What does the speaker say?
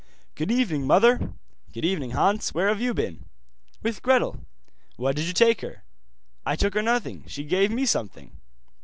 'Good evening, mother.' 'Good evening, Hans. Where have you been?' 'With Gretel.' 'What did you take her?' 'I took her nothing, she gave me something.